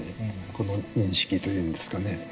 この認識というんですかね。